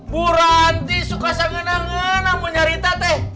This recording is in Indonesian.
bu ranti suka sengenang ngenang punya rita teh